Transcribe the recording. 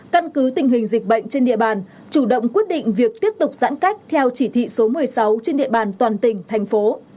căn cứ tình hình dịch bệnh trên địa bàn chủ động quyết định việc tiếp tục giãn cách theo chỉ thị số một mươi sáu trên địa bàn toàn tỉnh thành phố